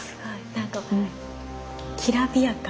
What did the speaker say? なんかきらびやか。